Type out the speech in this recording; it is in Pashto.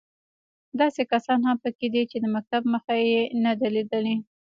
داسې کسان هم په کې دي چې د مکتب مخ یې نه دی لیدلی.